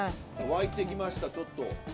沸いてきましたちょっと。